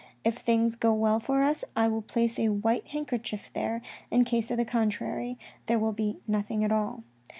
If things go well for us, I will place a white handkerchief there, in case of the contrary, there will be nothing at all.